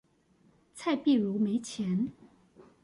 蔡璧如沒錢